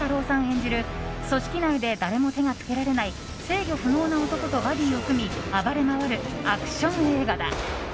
演じる組織内で誰も手がつけられない制御不能な男とバディを組み、暴れ回るアクション映画だ。